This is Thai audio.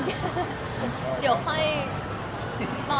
เดี๋ยวค่อยต่อแพร่